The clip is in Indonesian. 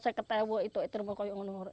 seketewe itu itu pokoknya yang menurut